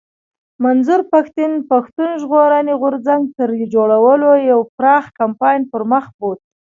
منظور پښتين پښتون ژغورني غورځنګ تر جوړېدو يو پراخ کمپاين پر مخ بوت